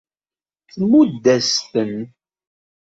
Tmudd-as-ten.